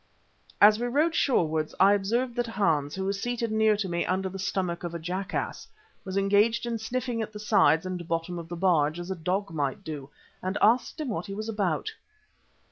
As we rowed shorewards I observed that Hans, who was seated near to me under the stomach of a jackass, was engaged in sniffing at the sides and bottom of the barge, as a dog might do, and asked him what he was about.